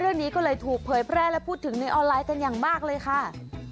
เรื่องนี้ก็เลยถูกเผยแพร่และพูดถึงในออนไลน์กันอย่างมากเลยค่ะ